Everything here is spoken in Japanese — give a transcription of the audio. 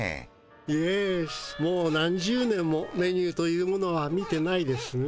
イエスもう何十年もメニューというものは見てないですね。